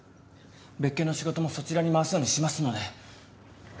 別件の仕事もそちらに回すようにしますので。